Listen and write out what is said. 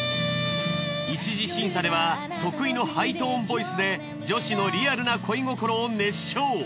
一次審査では得意のハイトーンボイスで女子のリアルな恋心を熱唱。